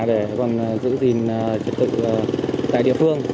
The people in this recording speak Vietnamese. để còn giữ gìn trực tự tại địa phương